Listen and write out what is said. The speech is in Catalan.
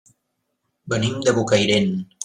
Venim de Bocairent.